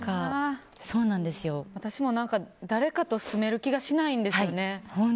私も誰かと住める気がしないんですよね。